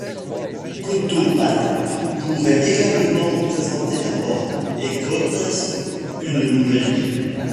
Cautopates pourrait également représenter la mort et Cautes une nouvelle vie.